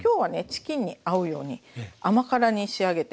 チキンに合うように甘辛に仕上げてます。